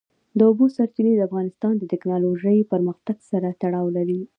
د اوبو سرچینې د افغانستان د تکنالوژۍ پرمختګ سره تړاو لري.